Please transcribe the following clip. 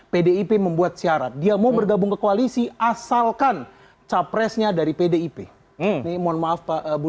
pdip membuat syarat dia mau bergabung ke koalisi asalkan capresnya dari pdip ini mohon maaf pak